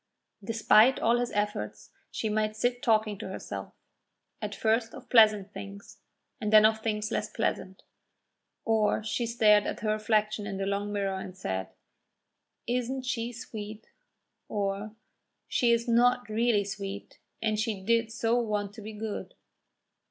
Despite all his efforts, she might sit talking to herself, at first of pleasant things and then of things less pleasant. Or she stared at her reflection in the long mirror and said: "Isn't she sweet!" or "She is not really sweet, and she did so want to be good!"